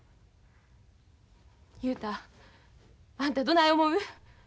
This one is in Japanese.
雄太あんたどない思う？